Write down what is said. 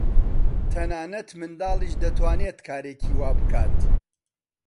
تەنانەت منداڵیش دەتوانێت کارێکی وا بکات.